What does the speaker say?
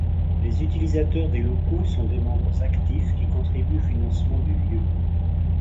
Les utilisateurs des locaux sont des membres actifs qui contribuent au financement du lieu.